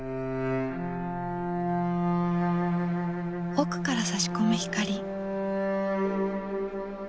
奥からさし込む光。